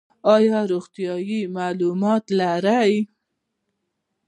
ایا روغتیایی معلومات لرئ؟